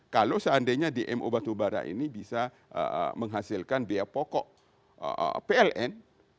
kalau seandainya dmo batubara ini bisa menghasilkan biaya pokok pln